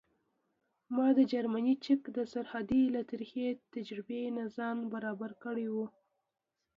ما د جرمني چک د سرحد له ترخې تجربې نه ځان برابر کړی و.